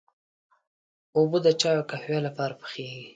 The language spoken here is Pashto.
اوبه د چايو او قهوې لپاره پخېږي.